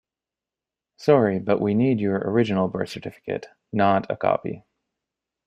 Sorry, but we need your original birth certificate, not a copy.